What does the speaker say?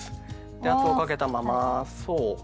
で圧をかけたままそう。